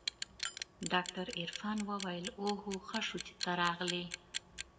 ډاکتر عرفان وويل اوهو ښه شو چې ته راغلې.